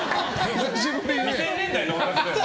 ２０００年代のオタクだよな。